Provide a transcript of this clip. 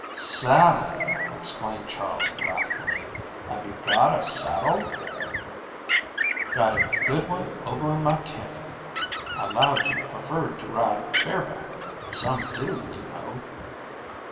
"Saddle," exclaimed Charley wrathfully, "have you got a saddle?" "Got a good one over in my tent. I 'lowed you preferred to ride bare back. Some do, you know."